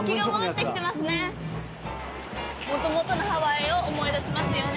もともとのハワイを思い出しますよね。